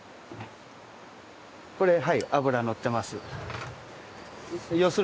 これはい脂のってます。